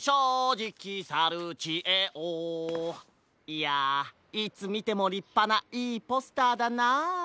いやいつみてもりっぱないいポスターだなあ。